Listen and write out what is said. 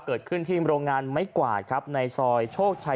เกิดขึ้นที่โรงงานไม้กวาดครับในซอยโชคชัย